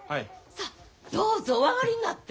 さどうぞお上がりになって！